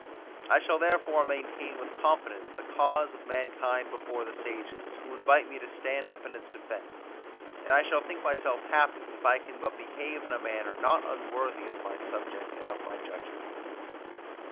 I shall therefore maintain with confidence the cause of mankind before the sages, who invite me to stand up in its defence; and I shall think myself happy, if I can but behave in a manner not unworthy of my subject and of my judges.